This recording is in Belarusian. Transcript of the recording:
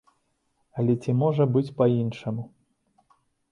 Але ці можа быць па-іншаму?